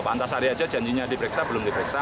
pak antasari aja janjinya diperiksa belum diperiksa